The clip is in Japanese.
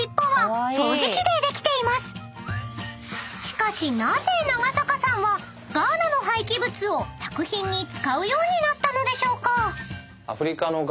［しかしなぜ長坂さんはガーナの廃棄物を作品に使うようになったのでしょうか？］